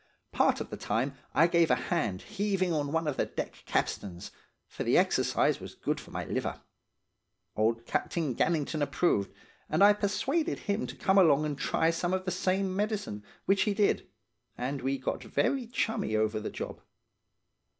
Part of the time I gave a hand heaving on one of the deck capstans, for the exercise was good for my liver. Old Captain Gannington approved, and I persuaded him to come along and try some of the same medicine, which he did; and we got very chummy over the job.